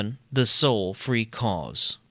the sole free cause. Q.